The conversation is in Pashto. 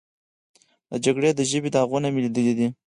د جګړې د ژبې داغونه مې لیدلي دي.